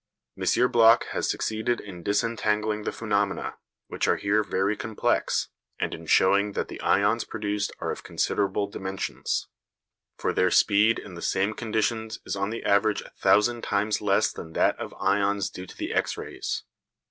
M. Bloch has succeeded in disentangling the phenomena, which are here very complex, and in showing that the ions produced are of considerable dimensions; for their speed in the same conditions is on the average a thousand times less than that of ions due to the X rays.